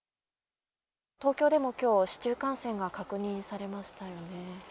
東京でもきょう、市中感染が確認されましたよね。